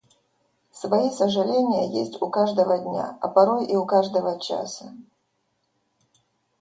Свои сожаления есть у каждого дня, а порой и у каждого часа.